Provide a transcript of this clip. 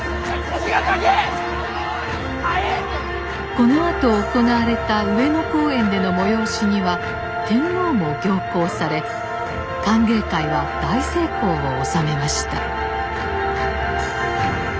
このあと行われた上野公園での催しには天皇も行幸され歓迎会は大成功を収めました。